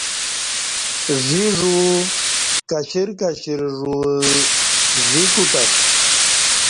ژی ژو کشر کشر ژو ژی کوتت